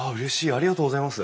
ありがとうございます。